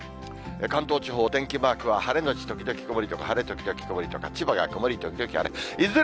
関東地方、お天気マークは晴れ後時々曇りとか、晴れ時々曇りとか、千葉が曇り時々晴れ。